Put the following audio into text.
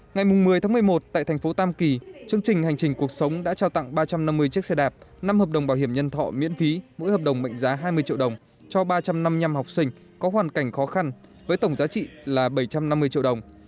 ngày một mươi một mươi một tại thành phố tam kỳ chương trình hành trình cuộc sống đã trao tặng ba trăm năm mươi chiếc xe đạp năm hợp đồng bảo hiểm nhân thọ miễn phí mỗi hợp đồng mệnh giá hai mươi triệu đồng cho ba trăm năm mươi năm học sinh có hoàn cảnh khó khăn với tổng giá trị là bảy trăm năm mươi triệu đồng